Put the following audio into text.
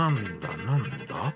なんだ？